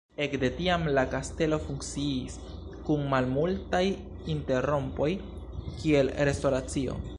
Ekde tiam la kastelo funkciis, kun malmultaj interrompoj, kiel restoracio.